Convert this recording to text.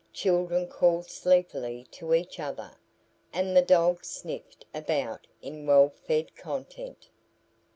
Children called sleepily to each other, and the dogs sniffed about in well fed content.